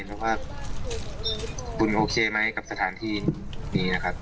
แล้วก็คุณโอเคไหมกับสถานที่นี้นะครับ